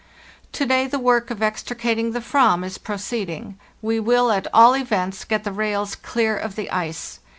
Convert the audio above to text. "To day the work of extricating the /yvam is pro ceeding; we will at all events get the rails clear of the ice.